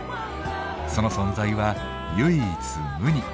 その存在は唯一無二。